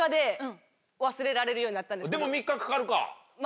でも３日かかるか。